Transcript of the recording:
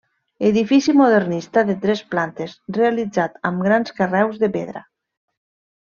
Edifici modernista de tres plantes, realitzat amb grans carreus de pedra.